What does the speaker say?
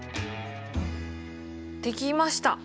できました。